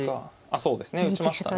あっそうですね打ちましたね。